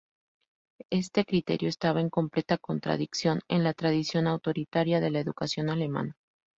Este criterio estaba en completa contradicción a la tradición autoritaria de la educación alemana.